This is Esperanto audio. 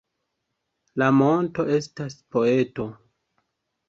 La monto estas poeto